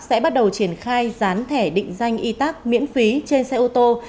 sẽ bắt đầu triển khai gián thẻ định danh y tác miễn phí trên xe ô tô